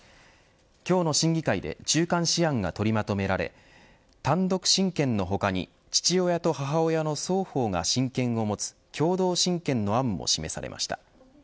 今日の審議会で中間試案が取りまとめられ単独親権の他に父親と母親の双方が親権を持つ共同親権の案も示されました。